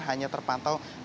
hanya terpantau mengantri